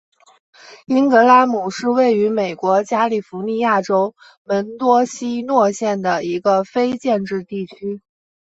因格拉姆是位于美国加利福尼亚州门多西诺县的一个非建制地区。